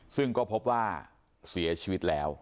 ซึ่งก็พบว่าเสียชีวิตแล้ว